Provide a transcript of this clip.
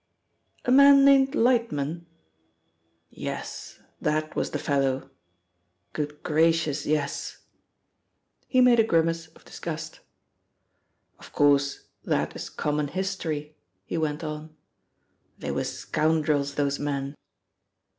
"A man named Lightman?" "Yes, that was the fellow. Good gracious, yes!" He made a grimace of disgust. "Of course, that is common history," he went on. "They were scoundrels, those men.